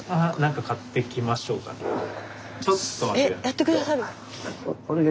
ちょっと待って下さい。